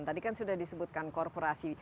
tadi kan sudah disebutkan korporasi